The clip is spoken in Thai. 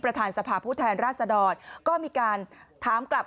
สภาพผู้แทนราชดรก็มีการถามกลับ